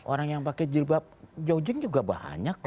orang yang pakai jilbab jauh jeng juga banyak kok